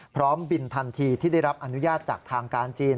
พร้อมบินทันทีที่ได้รับอนุญาตจากทางการจีน